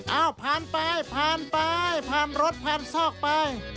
ผ่านไปผ่านไปผ่านรถผ่านซอกไป